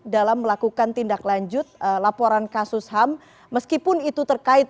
dalam melakukan tindak lanjut laporan kasus ham meskipun itu terkait